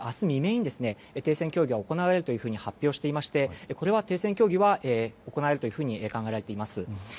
未明に停戦協議が行われるというふうに発表していまして停戦交渉は行われるというふうに考えられています。